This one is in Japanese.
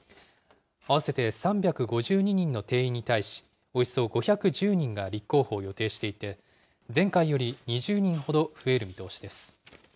合わせて３５２人の定員に対し、およそ５１０人が立候補を予定していて、前回より２０人ほど増える見通しです。